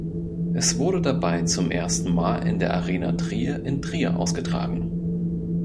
Es wurde dabei zum ersten Mal in der Arena Trier in Trier ausgetragen.